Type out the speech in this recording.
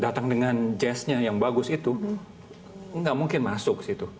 datang dengan jazznya yang bagus itu nggak mungkin masuk situ